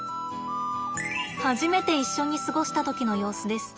初めて一緒に過ごした時の様子です。